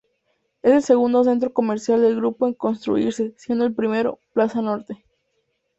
Es el segundo centro comercial del grupo en construirse, siendo el primero "Plaza Norte".